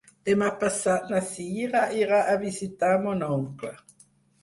Demà passat na Sira irà a visitar mon oncle.